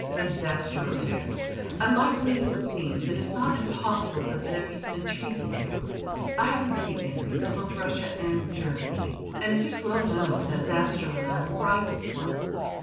"The Zastrow affair. Unlikely as it seems, it is not impossible that there has been treason there. I have many enemies in both Russia and Germany, and it is well known that Zastrow and I were rivals once.